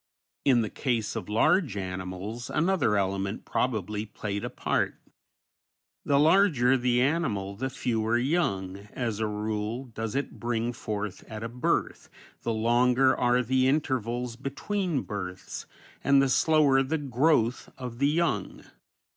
In the case of large animals another element probably played a part. The larger the animal, the fewer young, as a rule, does it bring forth at a birth, the longer are the intervals between births, and the slower the growth of the young.